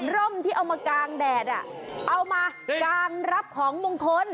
ร่มที่เอามากางแดดเอามากางรับของมงคล